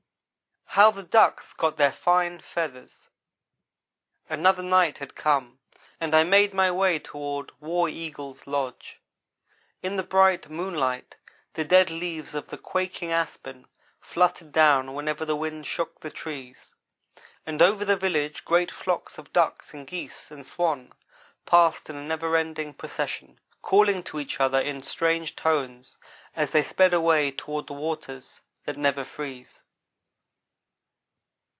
HOW THE DUCKS GOT THEIR FINE FEATHERS ANOTHER night had come, and I made my way toward War Eagle's lodge. In the bright moonlight the dead leaves of the quaking aspen fluttered down whenever the wind shook the trees; and over the village great flocks of ducks and geese and swan passed in a never ending procession, calling to each other in strange tones as they sped away toward the waters that never freeze.